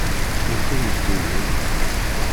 Yeqqim yettewhem.